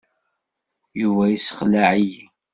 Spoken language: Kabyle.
Yuba yessexleɛ-iyi.